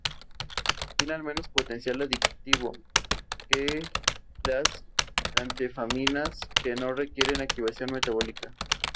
Tiene menos potencial adictivo que las anfetaminas que no requieren activación metabólica.